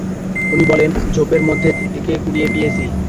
উনি বলেন, ঝোপের মধ্যে থেকে কুড়িয়ে পেয়েছি।